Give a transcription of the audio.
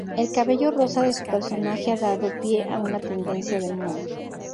El cabello rosa de su personaje ha dado pie a una tendencia de moda.